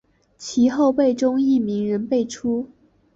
其后辈中亦名人辈出。